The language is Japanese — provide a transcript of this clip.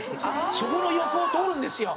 そこの横を通るんですよ。